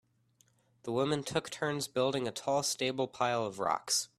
The women took turns building a tall stable pile of rocks.